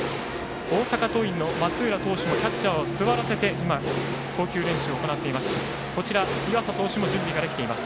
大阪桐蔭の松浦投手もキャッチャーを座らせて投球練習を行っています。